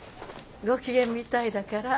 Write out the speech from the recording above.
ご機嫌みたいだから。